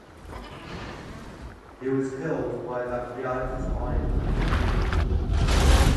He was killed by that reality's Iron Man.